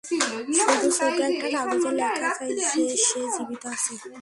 শুধু ছোট একটা কাগজে লেখা চায়, যে সে জীবিত আছে।